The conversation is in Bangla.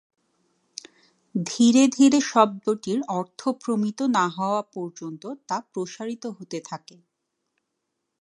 ধীরে ধীরে শব্দটির অর্থ প্রমিত না হওয়া পর্যন্ত তা প্রসারিত হতে থাকে।